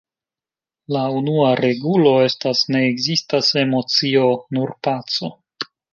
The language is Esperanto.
La unua regulo estas: "Ne ekzistas emocio; nur paco".